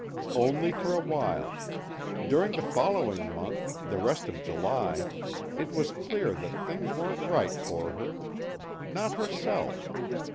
"Only for a while. During the following month, the rest of July, it was clear that things weren't right for her. Not herself.